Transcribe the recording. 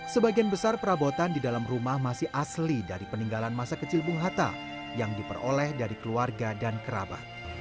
sebagian besar perabotan di dalam rumah masih asli dari peninggalan masa kecil bung hatta yang diperoleh dari keluarga dan kerabat